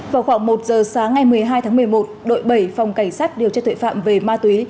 vào khoảng một giờ sáng ngày một mươi hai tháng một mươi một đội bảy phòng cảnh sát điều tra tuệ phạm về ma túy